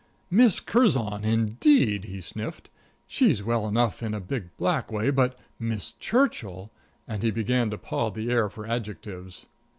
"Miss Curzon, indeed," he sniffed. "She's well enough in a big, black way, but Miss Churchill " and he began to paw the air for adjectives.